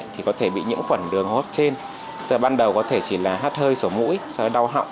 thì có thể bị nhiễm khuẩn đường hô hấp trên từ ban đầu có thể chỉ là hát hơi sổ mũi sau đó đau họng